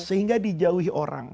sehingga dijauhi orang